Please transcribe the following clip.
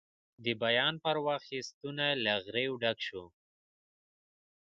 د بیان پر وخت یې ستونی له غریو ډک شو.